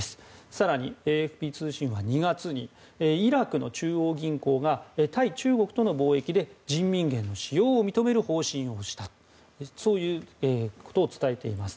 更に、ＡＦＰ通信は２月にイラクの中央銀行が対中国との貿易で人民元の使用を認める方針をしたとそういうことを伝えています。